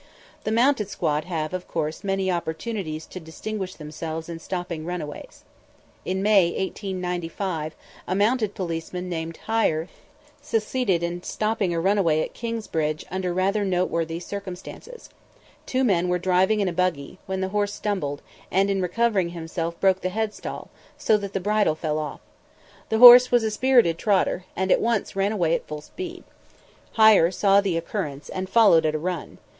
The mounted squad have, of course, many opportunities to distinguish themselves in stopping runaways. In May, 1895, a mounted policeman named Heyer succeeded in stopping a runaway at Kingsbridge under rather noteworthy circumstances. Two men were driving in a buggy, when the horse stumbled, and in recovering himself broke the head stall, so that the bridle fell off. The horse was a spirited trotter, and at once ran away at full speed. Heyer saw the occurrence, and followed at a run.